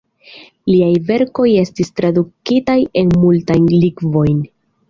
Liaj verkoj estis tradukitaj en multajn lingvojn.